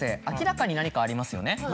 明らかに何かありますよね。